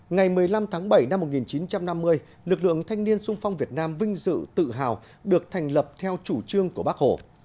ngày một mươi năm tháng bảy năm một nghìn chín trăm năm mươi lực lượng thanh niên sung phong việt nam vinh dự tự hào được thành lập theo chủ trương của bác hồ